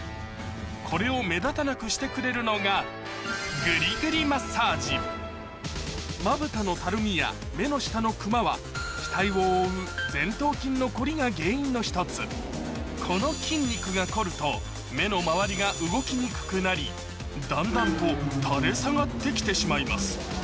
これを目立たなくしてくれるのがまぶたのたるみや目の下のクマは額を覆う前頭筋の凝りが原因の１つこの筋肉が凝ると目の周りが動きにくくなりだんだんと垂れ下がって来てしまいます